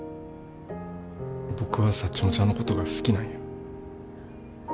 僕はサッチモちゃんのことが好きなんや。